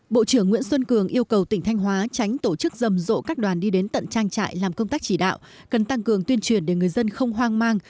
bộ trưởng nguyễn xuân cường yêu cầu tỉnh thanh hóa tránh tổ chức rầm rộ các đoàn đi đến tận trang trại làm công tác chỉ đạo cần tăng cường tuyên truyền để người dân không hoang mang